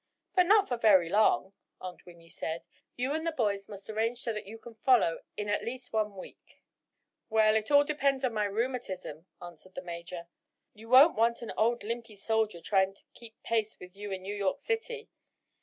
"But not for very long," Aunt Winnie said. "You and the boys must arrange so that you can follow in at least one week." "Well, it all depends on my rheumatism," answered the major. "You won't want an old limpy soldier trying to keep pace with you in New York City.